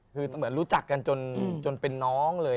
คือเหมือนรู้จักกันจนเป็นน้องเลย